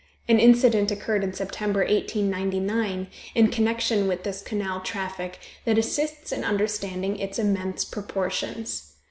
An incident occurred in September, 1899, in connection with this canal traffic, that assists in understanding its immense proportions.